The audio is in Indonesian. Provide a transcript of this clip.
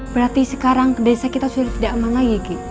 berarti sekarang desa kita sudah tidak aman lagi